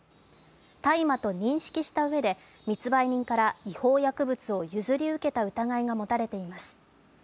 大麻と認識したうえで、密売人から違法薬物を譲り受けた疑いが持たれています。